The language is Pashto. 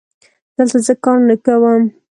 دلته زه کار نه کوم